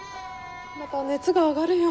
また熱が上がるよ。